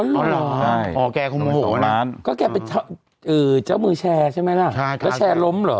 อ๋อเหรอใช่อ๋อแกคงโมโหร้านก็แกเป็นเจ้ามือแชร์ใช่ไหมล่ะแล้วแชร์ล้มเหรอ